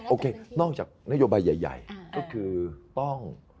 โอเคนอกจากนโยบายใหญ่ก็คือต้อง